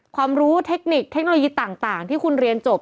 ความรู้เทคนิคเทคโนโลยีต่างที่คุณเรียนจบ